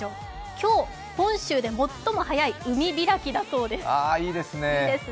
今日、本州で最も早い海開きだそうです。